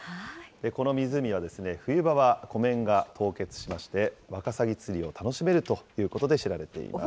この湖は、冬場は湖面が凍結しまして、ワカサギ釣りを楽しめるということで知られています。